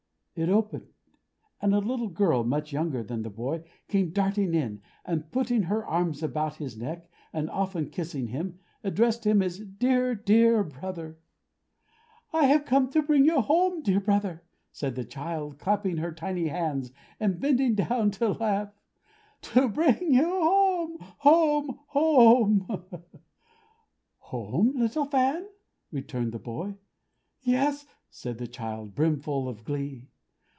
It opened; and a little girl much younger than the boy, came darting in, and putting her arms about his neck, and often kissing him, addressed him as her "Dear, dear brother." "I have come to bring you home, dear brother!" said the child, clapping her tiny hands, and bending down to laugh. "To bring you home, home, home!" "Home, little Fan?" returned the boy. "Yes," said the child, brimful of glee.